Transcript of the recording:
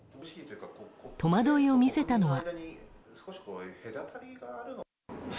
戸惑いを見せたのは。